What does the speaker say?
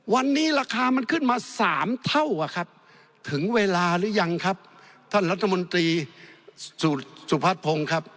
วันนี้ราคามันขึ้นมาสามเท่าอ่ะครับถึงเวลาหรือยังครับท่านรัฐมนตรีสุพัฒนพงศ์ครับ